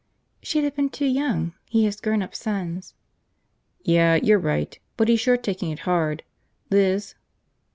"She'd have been too young. He has grown up sons." "Yeah, you're right. But he's sure taking it hard. Liz